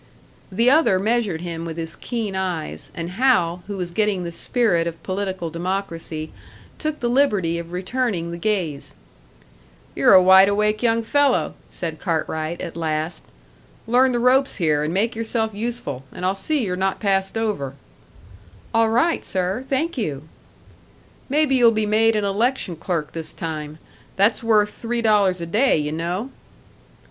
The other measured him with his keen eyes; and Hal, who was getting the spirit of political democracy, took the liberty of returning the gaze. "You're a wide awake young fellow," said Cartwright, at last. "Learn the ropes here, and make yourself useful, and I'll see you're not passed over." "All right, sir thank you." "Maybe you'll be made an election clerk this time. That's worth three dollars a day, you know."